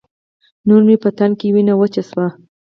نور مې په تن کې وينه وچه شوه.